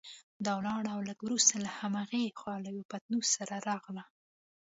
دا ولاړه او لږ وروسته له هماغې خوا له یوه پتنوس سره راغله.